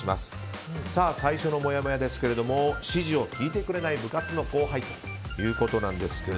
最初のもやもやですが指示を聞いてくれない部活の後輩ということです。